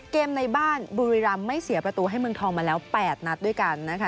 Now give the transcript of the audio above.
ในบ้านบุรีรำไม่เสียประตูให้เมืองทองมาแล้ว๘นัดด้วยกันนะคะ